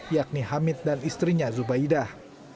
yakni hamid dan istrinya zubaidah